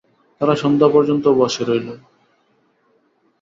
তারা সন্ধ্যা পর্যন্ত বসে রইল।